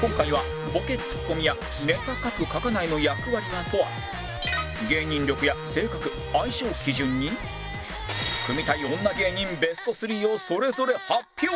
今回はボケツッコミやネタ書く書かないの役割は問わず芸人力や性格相性を基準に組みたい女芸人ベスト３をそれぞれ発表！